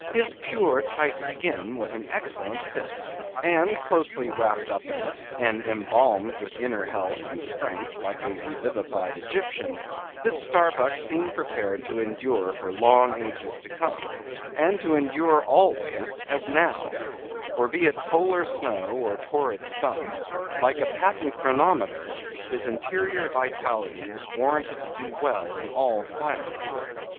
His pure tight skin was an excellent fit; and closely wrapped up in it, and embalmed with inner health and strength, like a revivified Egyptian, this Starbuck seemed prepared to endure for long ages to come, and to endure always, as now; for be it Polar snow or torrid sun, like a patent chronometer, his interior vitality was warranted to do well in all climates.